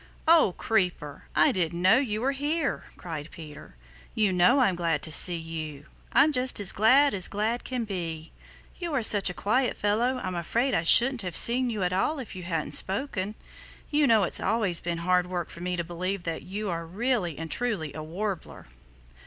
"Oh, Creeper, I didn't know you were here!" cried Peter. "You know I'm glad to see you. I'm just as glad as glad can be. You are such a quiet fellow I'm afraid I shouldn't have seen you at all if you hadn't spoken. You know it's always been hard work for me to believe that you are really and truly a Warbler."